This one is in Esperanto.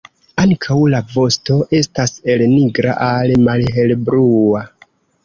Ankaŭ la vosto estas el nigra al malhelblua.